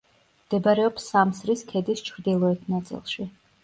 მდებარეობს სამსრის ქედის ჩრდილოეთ ნაწილში.